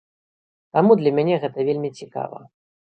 Таму для мяне гэта вельмі цікава.